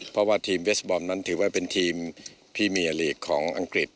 เพราะว่าทีมเบสบอลนั้นถือว่าเป็นทีมที่มีอลีกของอังกฤษ